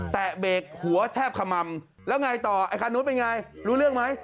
เบรกหัวแทบขม่ำแล้วไงต่อไอ้คันนู้นเป็นไงรู้เรื่องไหม